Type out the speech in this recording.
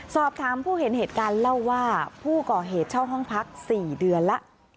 สอบถามผู้เห็นเหตุการณ์เล่าว่าผู้ก่อเหตุเช่าห้องพัก๔เดือนแล้ว